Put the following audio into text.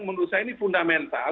menurut saya ini fundamental